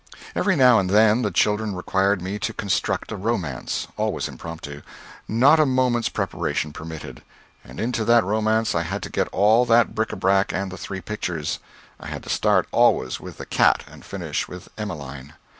Every now and then the children required me to construct a romance always impromptu not a moment's preparation permitted and into that romance I had to get all that bric à brac and the three pictures. I had to start always with the cat and finish with Emmeline.